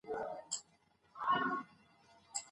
د پښتو ادب ځلانده ستوري زموږ د فخر نښه ده.